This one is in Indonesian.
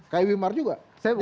kayak wimar juga